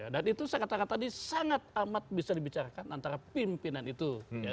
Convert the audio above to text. dan itu saya kata kata tadi sangat amat bisa dibicarakan antara pimpinan itu